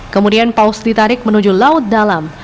kemudian paus ditarik menuju laut dalam